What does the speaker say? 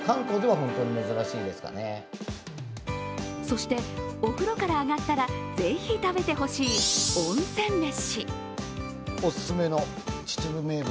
そして、お風呂から上がったらぜひ食べてほしい温泉飯。